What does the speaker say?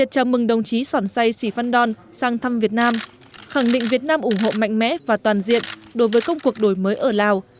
chào mừng đồng chí sỏn say sì phan đòn sang thăm việt nam khẳng định việt nam ủng hộ mạnh mẽ và toàn diện đối với công cuộc đổi mới ở lào